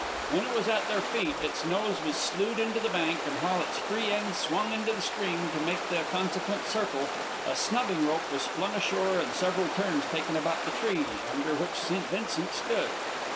When it was at their feet, its nose was slewed into the bank, and while its free end swung into the stream to make the consequent circle, a snubbing rope was flung ashore and several turns taken about the tree under which St. Vincent stood.